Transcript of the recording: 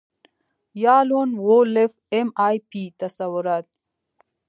یا لون وولف ایم آی پي تصورات